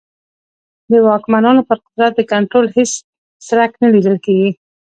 د واکمنانو پر قدرت د کنټرول هېڅ څرک نه لیدل کېږي.